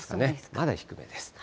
まだ低めです。